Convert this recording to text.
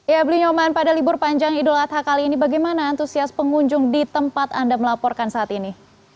ya beli nyoman pada libur panjang idul adha kali ini bagaimana antusias pengunjung di tempat anda melaporkan saat ini